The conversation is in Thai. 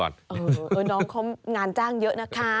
น้องเขางานจ้างเยอะนะคะ